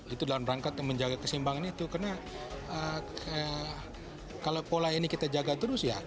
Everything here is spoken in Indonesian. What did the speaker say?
itu dalam rangka menjaga kesimbangan itu karena kalau pola ini kita jaga terus ya